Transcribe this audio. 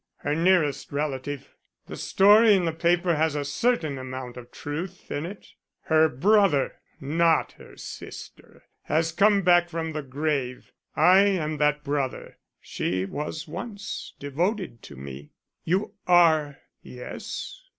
Her nearest relative. The story in the paper has a certain amount of truth in it. Her brother, not her sister, has come back from the grave. I am that brother. She was once devoted to me." "You are " "Yes.